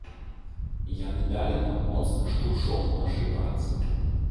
Яны далі нам моцны штуршок у нашай працы.